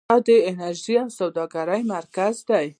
د انرژۍ او سوداګرۍ مرکز.